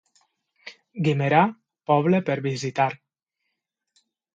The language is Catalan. Guimerà, poble per visitar.